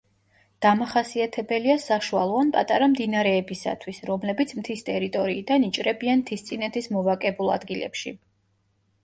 დამახასიათებელია საშუალო ან პატარა მდინარეებისათვის, რომლებიც მთის ტერიტორიიდან იჭრებიან მთისწინეთის მოვაკებულ ადგილებში.